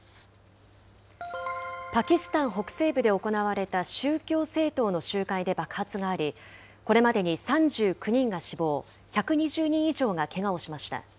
パキスタン北西部で行われた宗教政党の集会で爆発があり、これまでに３９人が死亡、１２０人以上がけがをしました。